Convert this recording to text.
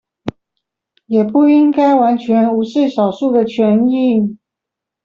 也不應該完全無視少數的權益